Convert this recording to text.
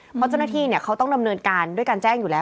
เพราะเจ้าหน้าที่เขาต้องดำเนินการด้วยการแจ้งอยู่แล้ว